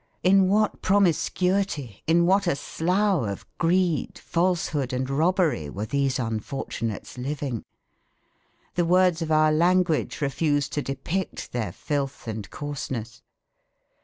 In what promiscuity, in what a slough of greed, falsehood and robbery were these unfortunates living! The words of our language refuse to depict their filth and coarseness.